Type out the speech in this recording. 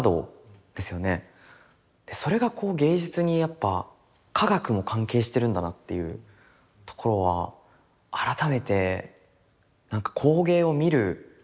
それがこう芸術にやっぱ化学も関係してるんだなっていうところは改めてなんか工芸を見る視点が広がった感じはしましたね。